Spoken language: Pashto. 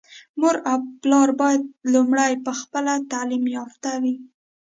مور او پلار بايد لومړی په خپله تعليم يافته وي.